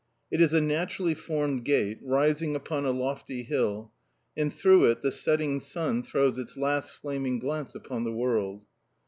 It is a naturally formed gate, rising upon a lofty hill, and through it the setting sun throws its last flaming glance upon the world.